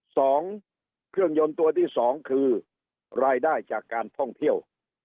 สองเครื่องยนต์ตัวที่สองคือรายได้จากการท่องเที่ยว